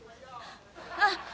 あっ。